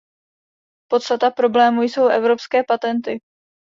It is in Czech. Podstata problému jsou evropské patenty.